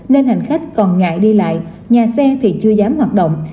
nên hành khách còn ngại đi lại nhà xe thì chưa dám hoạt động